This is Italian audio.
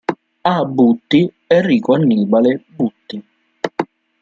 A. Butti, "Enrico Annibale Butti.